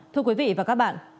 thưa quý vị và các bạn